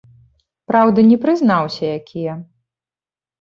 Праўда, не прызнаўся якія.